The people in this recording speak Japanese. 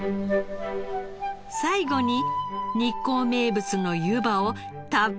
最後に日光名物のゆばをたっぷりのせれば。